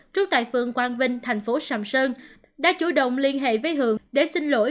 trú tại phường quang vinh tp sàm sơn đã chủ động liên hệ với hường để xin lỗi